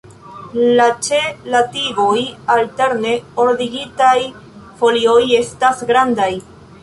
La ĉe la tigoj alterne ordigitaj folioj estas grandaj.